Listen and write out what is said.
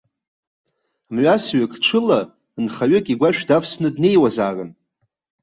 Мҩасҩык ҽыла, нхаҩык игәашә давсны днеиуазаарын.